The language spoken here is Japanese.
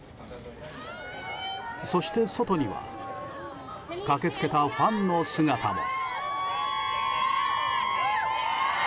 そして外には駆け付けたファンの姿も。